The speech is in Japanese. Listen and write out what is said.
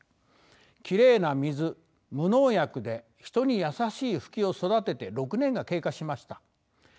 きれいな水無農薬で人に優しい蕗を育てて６年が経過しました。